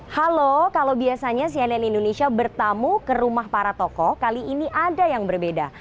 halo kalau biasanya cnn indonesia bertamu ke rumah para tokoh kali ini ada yang berbeda